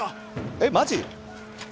えっマジ？